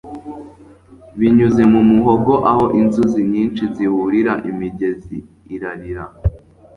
binyuze mu muhogo aho inzuzi nyinshi zihurira, imigezi irarira